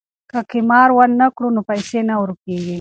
که قمار ونه کړو نو پیسې نه ورکيږي.